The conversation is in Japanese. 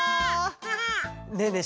ねえねえ